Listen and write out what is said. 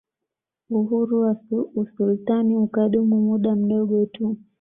Uhuru wa usultani ukadumu muda mdogo tu